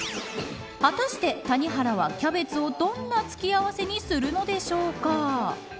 果たして谷原はキャベツをどんな付け合わせにするのでしょうか。